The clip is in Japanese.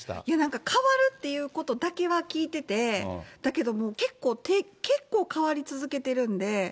いや、なんか変わるっていうことだけは聞いてて、だけどもう、結構変わり続けてるんで。